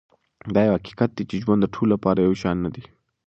دا یو حقیقت دی چې ژوند د ټولو لپاره یو شان نه دی.